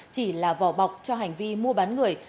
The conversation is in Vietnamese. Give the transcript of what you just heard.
chỉ là vỏ bọc cho hành vi mua bán người